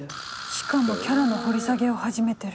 しかもキャラの掘り下げを始めてる。